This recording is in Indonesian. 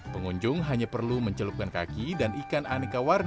pengunjung hanya perlu mencelupkan kaki dan ikan aneka warna